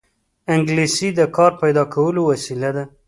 انګلیسي د کار پیدا کولو وسیله ده